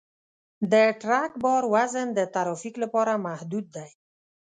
د ټرک بار وزن د ترافیک لپاره محدود دی.